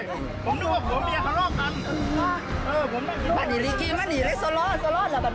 สวัสดีครับ